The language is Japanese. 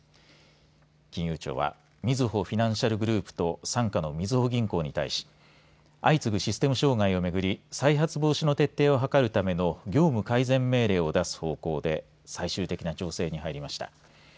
金融庁はみずほフィナンシャルグループと傘下のみずほ銀行に対し相次ぐシステム障害をめぐり再発防止の徹底を図るための業務改善命令を出す方向で最終的な調整に入りました。